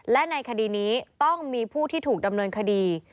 และในคดีนี้ต้องมีผู้ที่ถูกดำเนินคดี